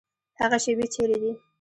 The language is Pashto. هغه شیبې چیري دي؟